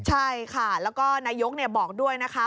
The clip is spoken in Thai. ใช่ค่ะแล้วก็นายกบอกด้วยนะคะ